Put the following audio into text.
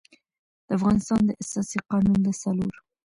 د افغانستان د اساسي قـانون د څلور